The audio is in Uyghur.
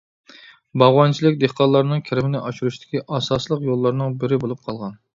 باغۋەنچىلىك دېھقانلارنىڭ كىرىمىنى ئاشۇرۇشتىكى ئاساسلىق يوللارنىڭ بىرى بولۇپ قالغان.